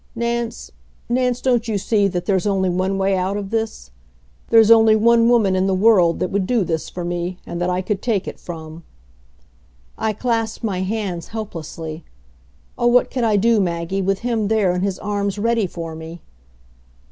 Nance Nance, don't you see that there's only one way out of this? There's only one woman in the world that would do this for me and that I could take it from." I clasped my hands helplessly. Oh, what could I do, Maggie, with him there and his arms ready for me!